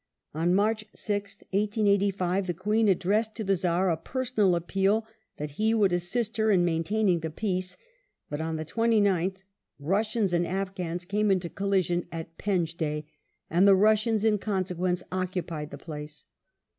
On March 6th, 1885, the Queen addressed to the Czar a personal appeal that he would assist her in main taining the peace, but on the 29th Russians and Afghans came into collision at Penjdeh, and the Russians in consequence occupied the place.